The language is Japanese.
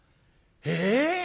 え！